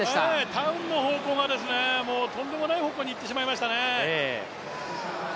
ターンの方向が、とんでもない方向にいってしまいましたね。